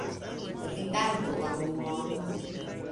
Rigardu la lumon